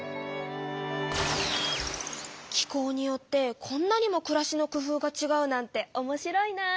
気候によってこんなにもくらしの工夫がちがうなんておもしろいな。